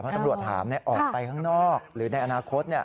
เพราะตำรวจถามออกไปข้างนอกหรือในอนาคต